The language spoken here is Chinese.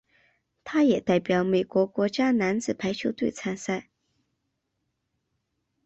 他也代表美国国家男子排球队参赛。